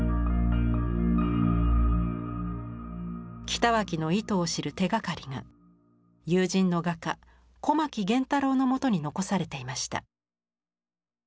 北脇の意図を知る手がかりが友人の画家小牧源太郎のもとに残されていました。